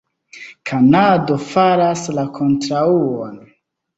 Kanado faras la kontraŭon.